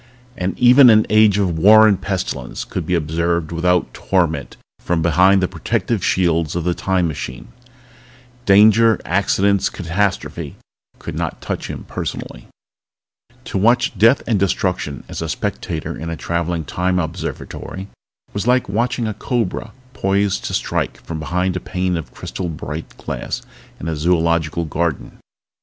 But even an age of war and pestilence could be observed without torment from behind the protective shields of the Time Machine. Danger, accidents, catastrophe could not touch him personally. To watch death and destruction as a spectator in a traveling Time Observatory was like watching a cobra poised to strike from behind a pane of crystal bright glass in a zoological garden.